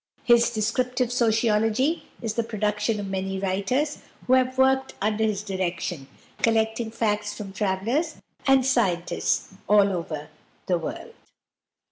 His "Descriptive Sociology" is the production of many writers, who have worked under his direction, collecting facts from travellers and scientists all over the world.